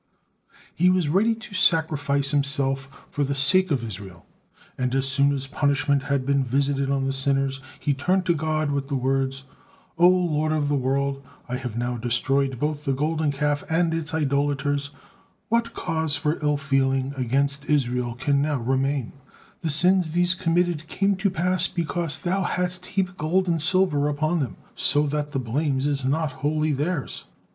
He was ready to sacrifice himself for the sake of Israel, and as soon as punishment had been visited on the sinners, he turned to God with the words: "O Lord of the world! I have now destroyed both the Golden Calf and its idolaters, what cause for ill feeling against Israel can now remain? The sins these committed came to pass because Thou hadst heaped gold and silver upon them, so that the blames is not wholly theirs.